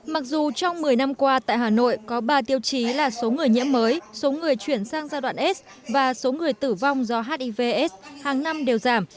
mặc dù trong một mươi năm qua tại hà nội có ba tiêu chí là số người nhiễm mới số người chuyển sang giai đoạn s và số người tử vong do hiv s hàng năm đều giảm